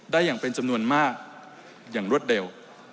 อย่างเป็นจำนวนมากอย่างรวดเร็ว